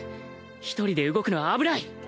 一人で動くのは危ない。